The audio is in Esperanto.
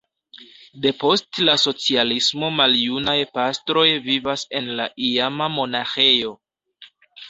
Depost la socialismo maljunaj pastroj vivas en la iama monaĥejo.